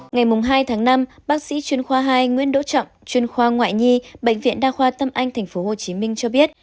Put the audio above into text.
ngày hai tháng năm bác sĩ chuyên khoa hai nguyễn đỗ trọng chuyên khoa ngoại nhi bệnh viện đa khoa tâm anh tp hcm cho biết